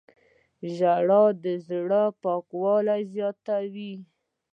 • ژړا د زړه پاکوالی زیاتوي.